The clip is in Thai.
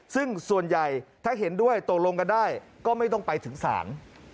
ซึ่งส่วนใหญ่ถ้าเห็นด้วยตกลงกันได้ก็ไม่ต้องไปถึงศาล